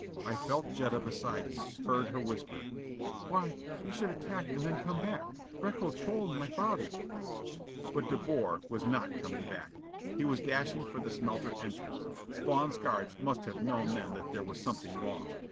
I felt Jetta beside me: heard her whisper: "Why, he should attack and then come back! Greko told my father " But De Boer was not coming back! He was dashing for the smelter entrance. Spawn's guards must have known then that there was something wrong.